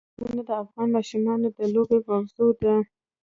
قومونه د افغان ماشومانو د لوبو موضوع ده.